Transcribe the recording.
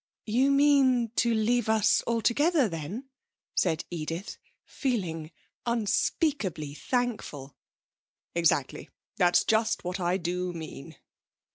'You mean to leave us altogether then?' said Edith, feeling unspeakably thankful. 'Exactly. That's just what I do mean.'